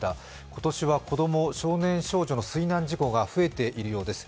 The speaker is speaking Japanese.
今年は子供、少年少女の水難事故が増えているようです。